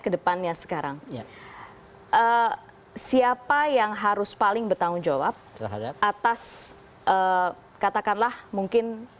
kedepannya sekarang ya siapa yang harus paling bertanggung jawab terhadap atas katakanlah mungkin